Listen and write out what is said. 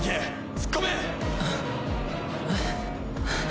突っ込め！